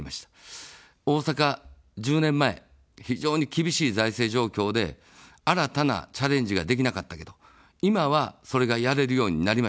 大阪１０年前、非常に厳しい財政状況で、新たなチャレンジができなかったけど、今は、それがやれるようになりました。